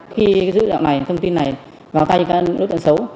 khi dữ liệu này thông tin này vào tay cho các đối tượng xấu